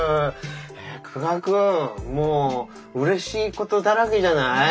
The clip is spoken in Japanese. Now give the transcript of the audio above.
久我君もううれしいことだらけじゃない？